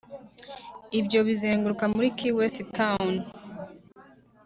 ibyo bizenguruka muri key west town